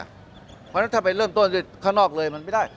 เพราะฉะนั้นถ้าไปเริ่มต้นข้างนอกเลยมันไม่ได้